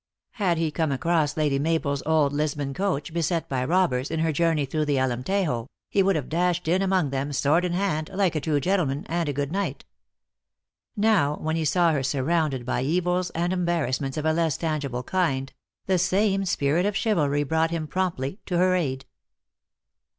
Had he come aOoss Lady Mabel s old Lisbon coach, beset by robbers, in her journey through the Alemtejo, he would have dashed in among them, sword in hand, like a true gentleman, and a good knight. Now, when he saw her sur rounded by evils and embarrassments of a less tangi ble kind, the same spirit of chivalry brought him promptly to her aid.